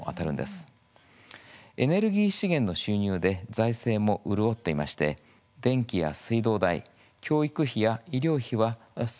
エネルギー資源の収入で財政も潤っていまして電気や水道代、教育費や医療費はすべて無料です。